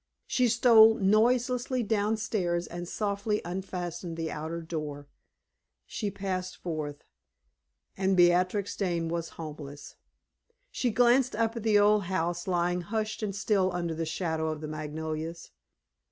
She stole noiselessly down stairs and softly unfastened the outer door. She passed forth, and Beatrix Dane was homeless! She glanced up at the old house lying hushed and still under the shadow of the magnolias.